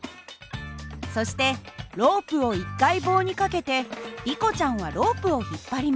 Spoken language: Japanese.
そしてロープを１回棒にかけてリコちゃんはロープを引っ張ります。